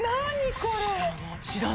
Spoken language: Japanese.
これ。